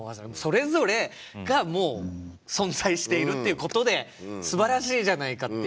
それぞれが存在しているっていうことですばらしいじゃないかっていうね。